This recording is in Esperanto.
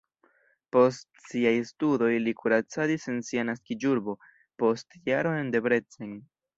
Post siaj studoj li kuracadis en sia naskiĝurbo, post jaro en Debrecen.